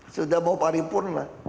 sudah mau paripur